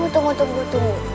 tunggu tunggu tunggu